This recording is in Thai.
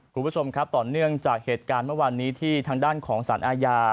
คุณผู้ชมครับต่อเนื่องจากเหตุการณ์เมื่อวานนี้ที่ทางด้านของสารอาญา